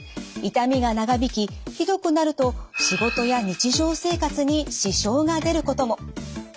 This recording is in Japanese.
痛みが長引きひどくなると仕事や日常生活に支障が出ることも。